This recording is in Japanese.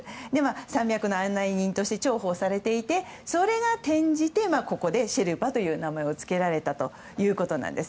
山脈の案内人として重宝されていてそれが転じて、ここでシェルパという名前を付けられたということなんです。